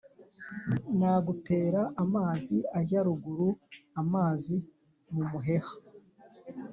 Nagutera amazi ajya ruguru-Amazi mu muheha.